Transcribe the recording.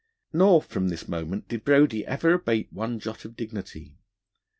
Nor from this moment did Brodie ever abate one jot of his dignity.